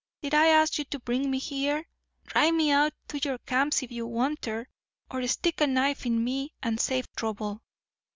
Did I ask you to bring me here? Drive me out to your camps if you wanter; or stick a knife in me and save trouble.